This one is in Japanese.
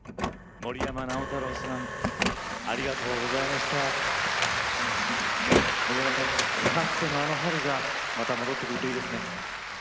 森山さん、かつてのあの春が戻ってくるといいですね。